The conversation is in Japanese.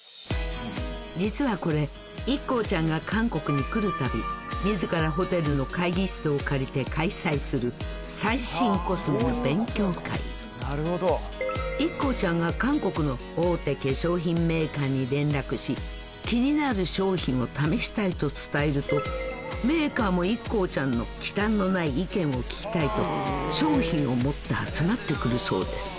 実はこれＩＫＫＯちゃんが韓国に来るたびＩＫＫＯちゃんが韓国の大手化粧品メーカーに連絡し気になる商品を試したいと伝えるとメーカーもＩＫＫＯちゃんの忌憚のない意見を聞きたいと商品を持って集まってくるそうです